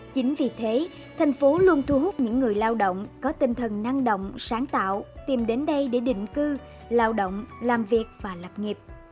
chính vì thế thành phố luôn thu hút những người lao động có tinh thần năng động sáng tạo tìm đến đây để định cư lao động làm việc và lập nghiệp